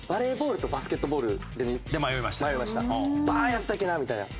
やったっけなみたいな。